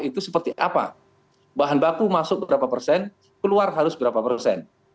itu seperti apa bahan baku masuk berapa persen keluar harus berapa persen